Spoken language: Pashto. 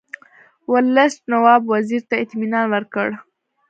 ورلسټ نواب وزیر ته اطمینان ورکړ.